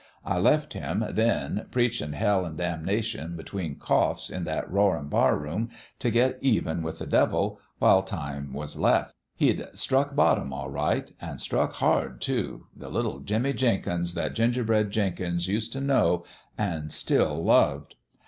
I left him, then, preachin' hell an' damnation, between coughs, in that roarin' barroom, t' get even with the devil, while time was left. He'd struck bottom, all right an' struck hard, too : the little Jimmie Jenkins that Gingerbread Jenkins used t' know an' still loved.